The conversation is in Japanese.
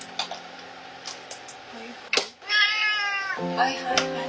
はいはいはい。